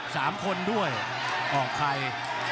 สามคนด้วยออกใคร